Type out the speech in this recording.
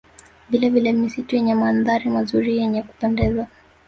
Vilevile misitu yenye mandhari mazuri yenye kupendeza